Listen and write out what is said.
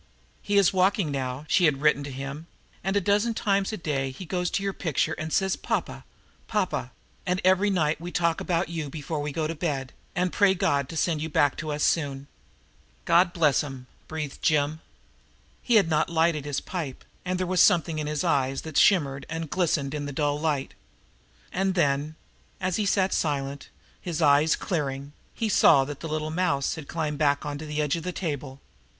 "He is walking now," she had written to him, "and a dozen times a day he goes to your picture and says 'Pa pa Pa pa' and every night we talk about you before we go to bed, and pray God to send you back to us soon." "God bless 'em!" breathed Jim. He had not lighted his pipe, and there was something in his eyes that shimmered and glistened in the dull light. And then, as he sat silent, his eyes clearing, he saw that the little mouse had climbed back to the edge of the table.